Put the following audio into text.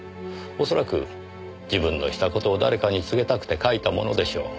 恐らく自分のした事を誰かに告げたくて書いたものでしょう。